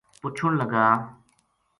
پُچھن لگا